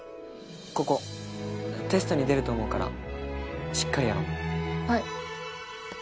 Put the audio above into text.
ここテストに出ると思うからしっかりやろうはい